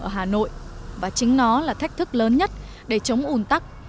ở hà nội và chính nó là thách thức lớn nhất để chống ủn tắc